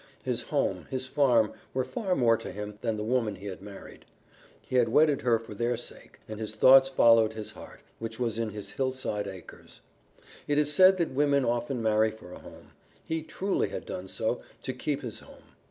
His home, his farm, were far more to him than the woman he had married. He had wedded her for their sake, and his thoughts followed his heart, which was in his hillside acres. It is said that women often marry for a home; he truly had done so to keep his home.